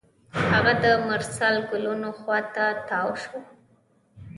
هغه د مرسل ګلونو خوا ته تاوه شوه.